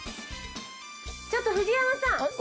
ちょっと藤山さん